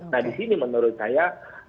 nah disini menurut saya